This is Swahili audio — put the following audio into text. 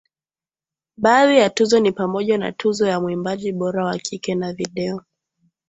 Baadhi ya tuzo ni pamoja na Tuzo ya Mwimbaji Bora wa Kike na Video